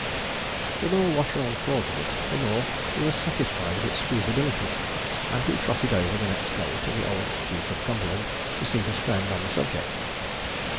The more Watchorn thought of it, the more he was satisfied of its feasibility, and he trotted over, the next day, to the Old Duke of Cumberland, to see his friend on the subject.